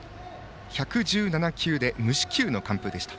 １１７球で無四球の完封でした。